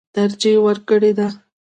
ترجېح ورکړې ده.